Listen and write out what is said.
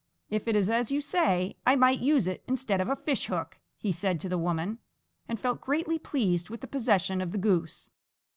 "If it is as you say, I might use it instead of a fish hook," he said to the woman, and felt greatly pleased with the possession of the goose.